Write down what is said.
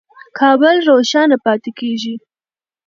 کابل روښانه پاتې کېږي.